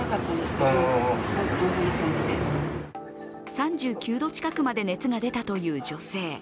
３９度近くまで熱が出たという女性。